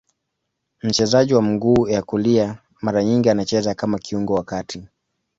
Mchezaji wa mguu ya kulia, mara nyingi anacheza kama kiungo wa kati.